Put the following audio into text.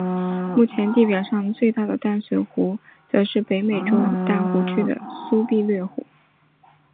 目前地表上最大的淡水湖则是北美洲五大湖区的苏必略湖。